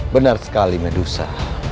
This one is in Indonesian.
benar sekali medusa